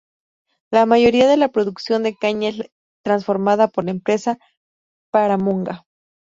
La mayoría de la producción de caña es transformada por la empresa Paramonga.